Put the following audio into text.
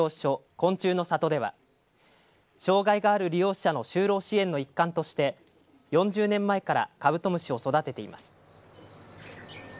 昆虫の里では障害がある利用者の就労支援の一環として４０年前からカブトムシを育てています。